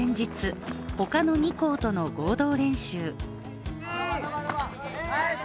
試合前日、ほかの２校との合同練習。